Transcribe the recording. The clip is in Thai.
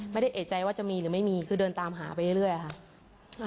ไม่ได้เอกใจว่าจะมีหรือไม่มีคือเดินตามหาไปเรื่อยค่ะ